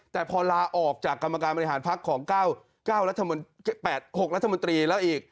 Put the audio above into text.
แต่พอลาออกจากกรรมการบริหารพักของ๙๖รัฐมนตรีแล้วอีก